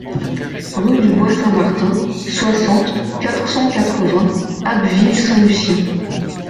Rue du Bois Saint-Martin, soixante, quatre cent quatre-vingts Abbeville-Saint-Lucien